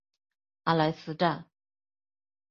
阿莱斯站。